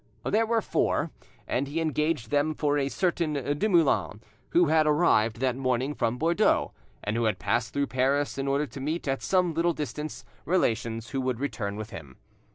There were four, and he engaged them for a certain Dumoulin, who had arrived that morning from Bordeaux, and who had passed through Paris in order to meet, at some little distance, relations who would return with him.